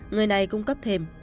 người này cung cấp thêm